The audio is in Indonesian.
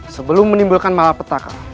sebelum menimbulkan malapetaka